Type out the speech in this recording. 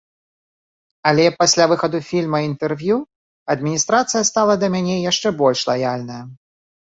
Але пасля выхаду фільма і інтэрв'ю адміністрацыя стала да мяне яшчэ больш лаяльная.